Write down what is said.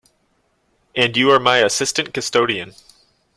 And you are my assistant-custodian.